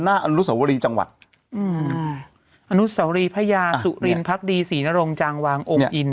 อนุสวรีจังหวัดอืมอนุสวรีพญาสุรินพักดีศรีนรงจางวางองค์อิน